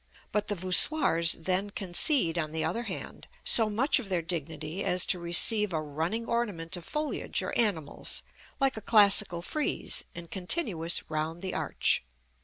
But the voussoirs then concede, on the other hand, so much of their dignity as to receive a running ornament of foliage or animals, like a classical frieze, and continuous round the arch.